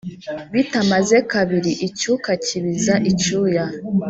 bitamaze kabiri icyuka kibiza icyuya